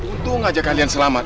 untung aja kalian selamat